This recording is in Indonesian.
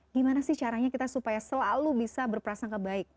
gimana sih caranya kita supaya selalu bisa berprasangka baik